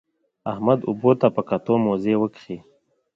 احمد اوبو ته په کتو؛ موزې وکښې.